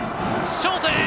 ショートへ！